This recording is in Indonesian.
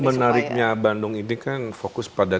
menariknya bandung ini kan fokus pada